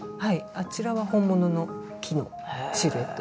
あちらは本物の木のシルエットです。